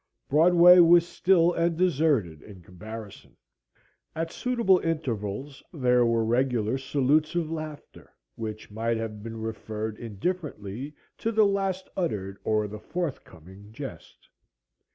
Broadway was still and deserted in comparison. At suitable intervals there were regular salutes of laughter, which might have been referred indifferently to the last uttered or the forth coming jest.